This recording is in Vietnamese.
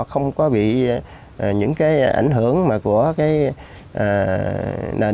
rồi họ không có bị những cái ảnh hưởng mà của cái nền văn học tải đạo đó chi phối